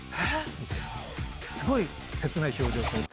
みたいな、すごい切ない表情をされて。